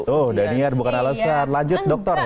tuh daniel bukan alasan lanjut doktor